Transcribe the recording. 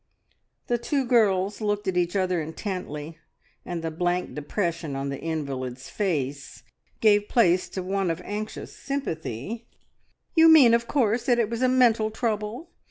The two girls looked at each other intently, and the blank depression on the invalid's face gave place to one of anxious sympathy. "You mean, of course, that it was a mental trouble.